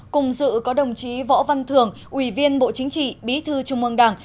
cùng dự có đồng chí võ văn thường ủy viên bộ chính trị bí thư trung ương đảng